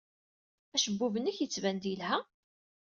Acebbub-nnek yettban-d yelha.